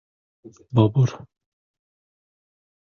• Qo‘rqmasdan qo‘rq, uyalmasdan uyal.